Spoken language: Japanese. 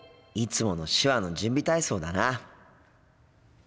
いつもの手話の準備体操だな。